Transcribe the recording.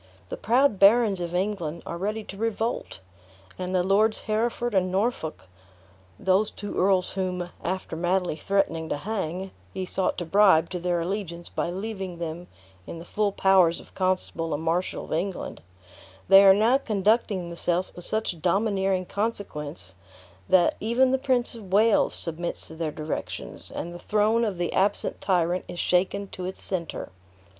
The proud barons of England are ready to revolt; and the Lords Hereford and Norfolk (those two earls whom, after madly threatening to hang, he sought to bribe to their allegiance by leaving them in the full powers of Constable and Marshal of England), they are now conducting themselves with such domineering consequence, that even the Prince of Wales submits to their directions, and the throne of the absent tyrant is shaken to its center.